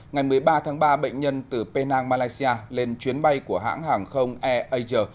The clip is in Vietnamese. ngày một mươi ba tháng ba bệnh nhân từ penang malaysia lên chuyến bay của hãng hàng không airasia